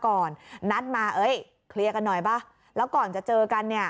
ก่อนนัดมาเอ้ยเคลียร์กันหน่อยป่ะแล้วก่อนจะเจอกันเนี่ย